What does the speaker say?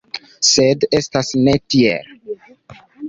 Sed estas ne tiel.